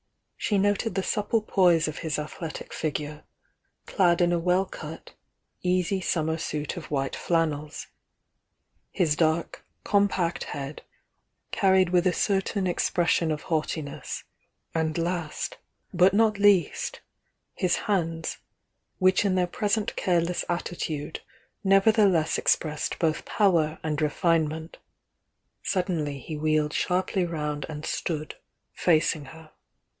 She noted the supple poise of his ath letic figure, clad in a well cut, easy summer suit of white flannels, — his dark, compact head, carried with a certain expression of haughtiness, and last, but not least, his hands, which in their present care less attitude nevertheless expressed both power and refinement. Suddenly he wheeled sharply round and stood, facing her.